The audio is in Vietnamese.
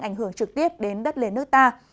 ảnh hưởng trực tiếp đến đất lề nước ta